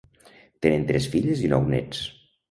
Tenen tres filles i nou néts.